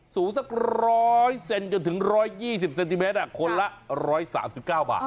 สูงสัก๑๐๐เซนจนถึง๑๒๐เซนติเมตรคนละ๑๓๙บาท